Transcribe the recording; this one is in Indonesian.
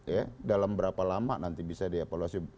ya dalam berapa lama nanti bisa dievaluasi